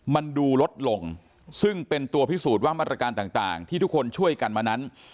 มันดูลดลงซึ่งเป็นตัวพิสูจน์ว่ามาตรการต่างที่ทุกคนช่วยกันมานั้น